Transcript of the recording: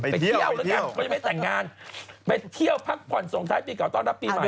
ไปเที่ยวไปเที่ยวไม่ใช่ไปแต่งงานไปเที่ยวพักผ่อนสงสัยปีเก่าต้อนรับปีใหม่นะครับ